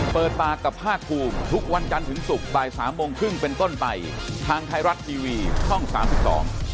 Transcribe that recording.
เปิดปากกับภาคภูมิทุกวันจันทร์ถึงศุกร์บ่ายสามโมงครึ่งเป็นต้นไปทางไทยรัฐทีวีช่องสามสิบสอง